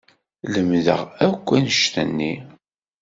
Lemdeɣ akk annect-nni.